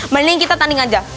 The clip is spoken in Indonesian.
mending kita tanding aja